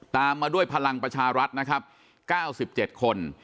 ตามมาด้วยพลังประชารัฐนะครับ๙๗คน